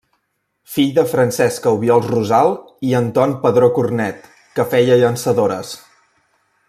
Fill de Francesca Obiols Rosal i Anton Padró Cornet, que feia llançadores.